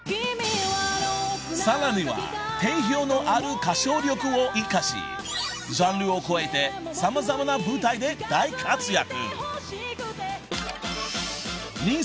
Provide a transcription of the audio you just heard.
［さらには定評のある歌唱力を生かしジャンルを超えて様々な舞台で大活躍］